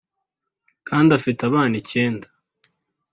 kandi afite abana icyenda